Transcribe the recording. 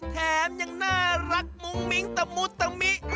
แถมยังน่ารักมุ้งมิ้งตะมุตมิ